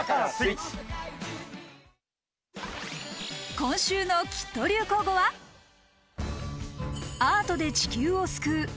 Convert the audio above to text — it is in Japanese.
今週のきっと流行語は、アートで地球を救う。